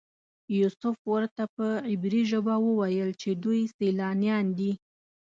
یوسف ورته په عبري ژبه وویل چې دوی سیلانیان دي.